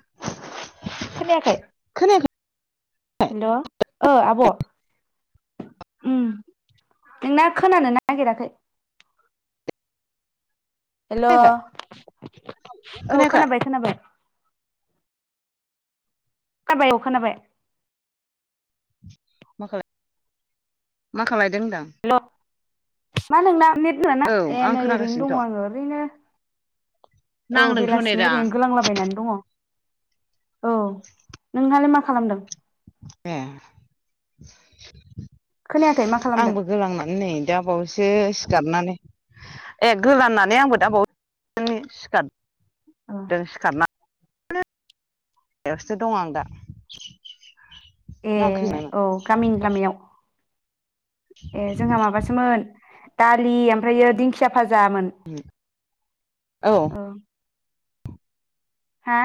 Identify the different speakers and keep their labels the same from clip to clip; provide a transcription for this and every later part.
Speaker 1: [inaudible] खोनायाखै?
Speaker 2: खोनायाखै
Speaker 1: हेल' ओ आब' उ नोंना खोनानो नागिराखै हेल'
Speaker 2: खोनायाखै
Speaker 1: औ
Speaker 2: खोनायाखै
Speaker 1: खोनाबाय खोनाबाय खाबाय अ खोनाबाय
Speaker 2: मा खालाय मा खालायदों होनदां?
Speaker 1: हेल' मा नोंला नेट नङाना
Speaker 2: औ
Speaker 1: ए
Speaker 2: आं
Speaker 1: नै ओरैनो दङ
Speaker 2: खोनागासिनोथ'
Speaker 1: आङो ओरैनो औ
Speaker 2: नांदोंथ'
Speaker 1: बेलासिनि
Speaker 2: नेदा
Speaker 1: ओरैनो गोलांलाबायनानै दङ औ नोंहालाय मा खालामदों?
Speaker 2: ए
Speaker 1: खोनायाखै मा
Speaker 2: [inaudible]
Speaker 1: खालामदों
Speaker 2: आंबो गोलांनानै नै दाबावैसो सो सिखारनानै ए गोराननानै आंबो दा बाव सिखार जों सिखारना बेयावसथो दं आं दा
Speaker 1: ए
Speaker 2: मा ओंख्रि जानायमोन
Speaker 1: औ गामिनि लामायाव ए जोंहा माबासोमोन दालि ओमफ्रायो दिंखिया फाजामोन औ हा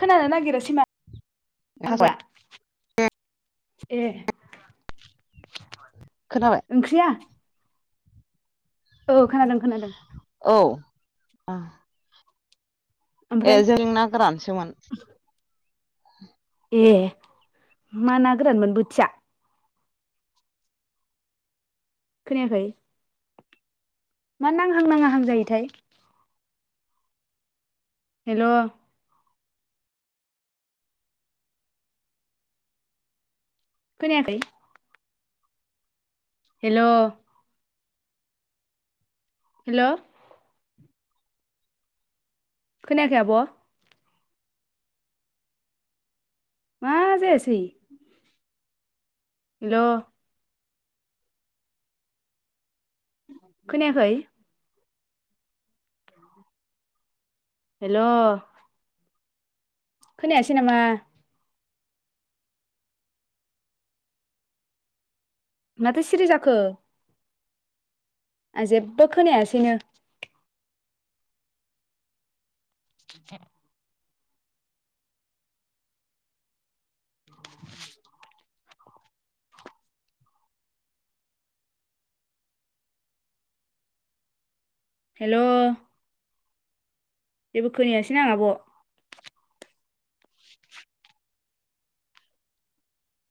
Speaker 1: खोनानो नागिरोसैमा आरोबा
Speaker 2: थास'
Speaker 1: ए
Speaker 2: खोनाबाय
Speaker 1: ओंख्रिया औ खोनादों खोनादों
Speaker 2: अ ए
Speaker 1: ओमफ्राय
Speaker 2: जों ना गोरानसोमोन
Speaker 1: ए मा ना गोरानमोन बोथिया खोनायाखै मा नांहां नाङाहां जायोथाय हेलौ खोनायाखै हेलौ हेल' खोनाखै आब' मा जासै न' खोनायाखै हेल' खोनायासै नामा माथो सिरि जाखो आं जेबो खोनायासैनो [inaudible] [inaudible] हेल' जेबो खोनायासैनो आं आब'